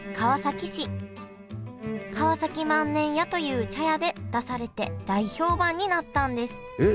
河崎万年屋という茶屋で出されて大評判になったんですえっ